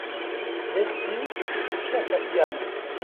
Betty tekkat apyanu.